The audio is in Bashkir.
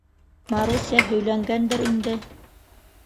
Маруся һөйләнгәндер инде.